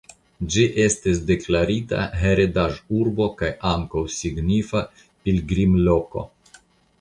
Ĝi estis deklarita heredaĵurbo kaj ankaŭ signifa pilgrimloko.